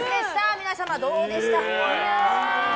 皆様、どうでした？